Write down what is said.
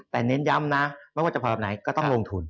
แต่เน้นย้ำนะไม่ว่าจะผลแบบไหนก็ต้องลงทุน